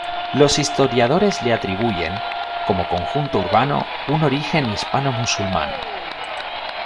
Los historiadores le atribuyen, como conjunto urbano, un origen hispano-musulmán.